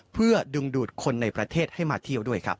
เพื่อดึงดูดคนในประเทศให้มาเที่ยวด้วยครับ